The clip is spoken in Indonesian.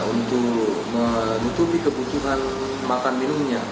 untuk menutupi kebutuhan makan minumnya